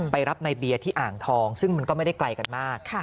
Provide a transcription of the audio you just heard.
รับในเบียร์ที่อ่างทองซึ่งมันก็ไม่ได้ไกลกันมาก